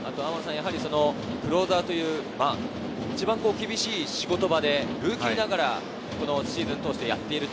クローザーという一番厳しい仕事場でルーキーながらシーズンを通してやっている。